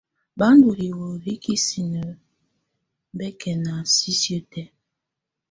Bà ndù hiwǝ hi ikisinǝ bɛkɛna sisiǝ́ tɛ̀á.